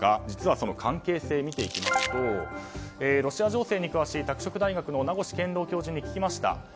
実はその関係性を見ていきますとロシア情勢に詳しい拓殖大学の名越健郎教授に聞きました。